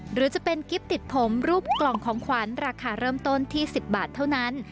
หรือจะเป็นกิ๊บติดผมรูปกล่องของขวัญราคาเริ่มต้นที่๑๐บาทเท่านั้น